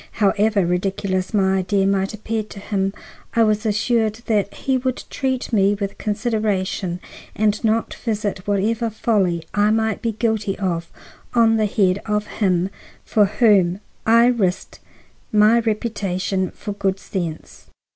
However ridiculous my idea might appear to him, I was assured that he would treat me with consideration and not visit whatever folly I might be guilty of on the head of him for whom I risked my reputation for good sense.